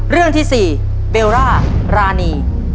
เรื่องที่๔เบลล่ารานี